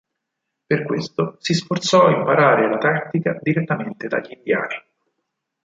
Per questo si sforzò imparare la tattica direttamente dagli indiani.